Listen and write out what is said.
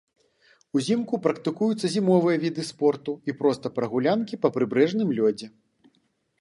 Узімку практыкуюцца зімовыя віды спорту і проста прагулянкі па прыбярэжным лёдзе.